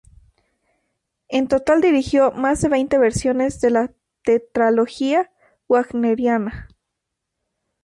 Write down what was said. En total dirigió más de veinte versiones de la tetralogía wagneriana.